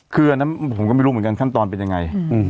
คืออันนั้นผมก็ไม่รู้เหมือนกันขั้นตอนเป็นยังไง